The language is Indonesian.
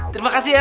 terima kasih ya